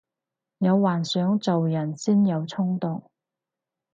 有幻想做人先有沖勁